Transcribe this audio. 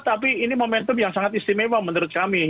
tapi ini momentum yang sangat istimewa menurut kami